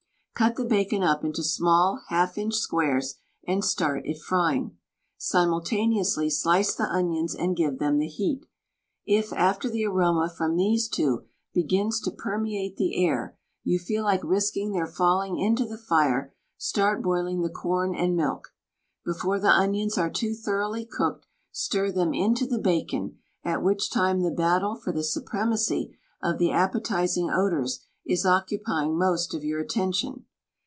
Cut the bacon up intO' small half inch squares and start it frying. Simultaneously slice the onions and give them the heat. If, after the aroma from these two begins to permeate the air, you feel like risking their falling into the fire, start boiling the com and milk. Before the onions are too thoroughly cooked stir them into the bacon, at which time the battle for the supremacy of the appetizing odors is occupying most of your attention.